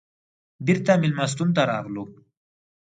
بېرته مېلمستون ته راغلو.